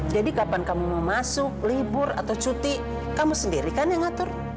jadi kapan kamu mau masuk libur atau cuti kamu sendiri kan yang ngatur